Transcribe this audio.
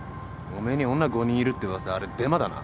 おめえに女５人いるって噂あれデマだな？